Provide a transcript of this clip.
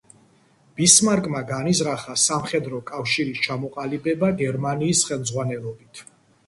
ბისმარკმა განიზრახა სამხედრო კავშირის ჩამოყალიბება გერმანიის ხელმძღვანელობით.